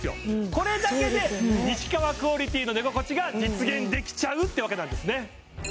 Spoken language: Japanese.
これだけで西川クオリティの寝心地が実現できちゃうってわけなんですね